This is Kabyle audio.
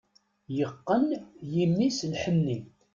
Yeqqen yimi-s lḥenni.